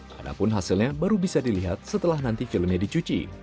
padahal hasilnya baru bisa dilihat setelah nanti filmnya dicuci